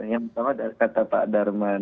yang pertama kata pak darman